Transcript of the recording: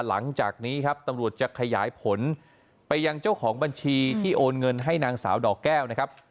หลังจากนี้ครับตำรวจจะขยายผลไปยังเจ้าของบัญชีที่โอนเงินให้นางสาวดอกแก้วนะครับ